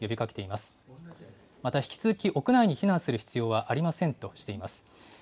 また引き続き、屋内に避難する必要はありませんとしています。